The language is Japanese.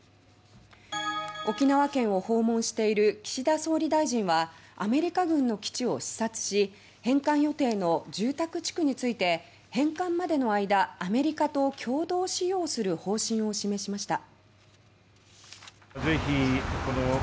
沖縄県を訪問している岸田総理大臣はアメリカ軍の基地を視察し返還予定の住宅地区について返還までの間アメリカと共同使用する方針を示しました。